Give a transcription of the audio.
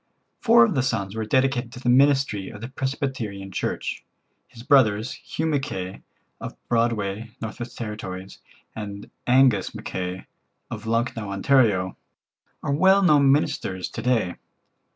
Four of the sons were dedicated to the ministry of the Presbyterian Church. His brothers, Hugh Mackay, of Broadview, N.W.T., and Angus Mackay, of Lucknow, Ont., are well known ministers to day.